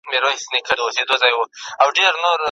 که اړتیا نه وي، پنډي به په اوږه باندي ګڼ توکي ونه وړي.